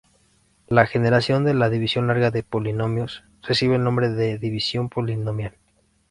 La generalización de la división larga de polinomios recibe el nombre de división polinomial.